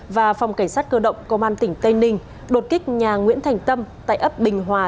và phòng cảnh sát cơ động công an tỉnh tây ninh đột kích nhà nguyễn thành tâm tại ấp bình hòa